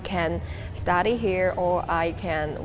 atau saya bisa berjalan di sini